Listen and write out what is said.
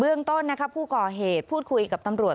เรื่องต้นผู้ก่อเหตุพูดคุยกับตำรวจ